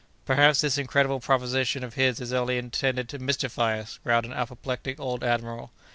"Perhaps this incredible proposition of his is only intended to mystify us," growled an apoplectic old admiral.